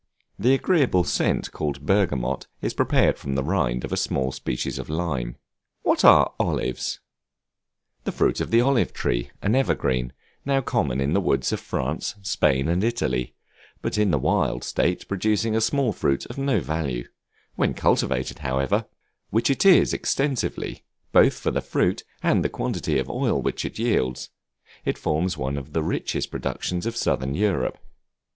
The agreeable scent called Bergamot is prepared from the rind of a small species of lime. What are Olives? The fruit of the Olive Tree, an evergreen, now common in the woods of France, Spain, and Italy; but in the wild state producing a small fruit of no value; when cultivated, however, (which it is extensively, both for the fruit and the quantity of oil which it yields,) it forms one of the richest productions of Southern Europe.